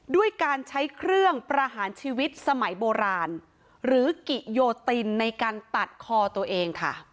ด้วยการใช้เครื่องประหารชีวิตสมัยโบราณหรือกิโยตินในการตัดคอตัวเองค่ะ